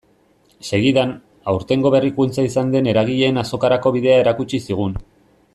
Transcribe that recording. Segidan, aurtengo berrikuntza izan den eragileen azokarako bidea erakutsi zigun.